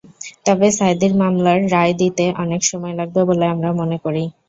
তবে সাঈদীর মামলার রায় দিতে অনেক সময় লাগবে বলে আমরা মনে করি।